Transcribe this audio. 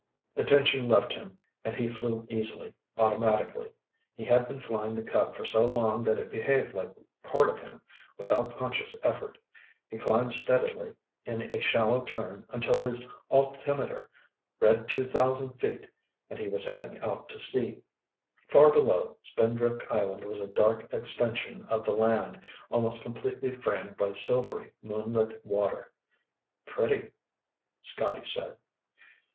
The tension left him and he flew easily, automatically. He had been flying the Cub for so long that it behaved like part of him, without conscious effort. He climbed steadily in a shallow turn until his altimeter read two thousand feet and he was heading out to sea. Far below, Spindrift Island was a dark extension of the land, almost completely framed by silvery, moonlit water. "Pretty," Scotty said.